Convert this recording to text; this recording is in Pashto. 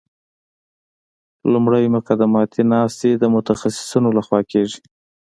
لومړی مقدماتي ناستې د متخصصینو لخوا کیږي